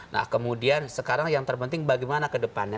nah kemudian sekarang yang terpenting bagaimana ke depannya